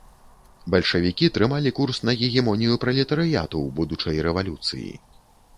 Бальшавікі трымалі курс на гегемонію пралетарыяту ў будучай рэвалюцыі.